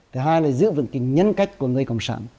thứ hai là giữ vững cái nhân cách của người cộng sản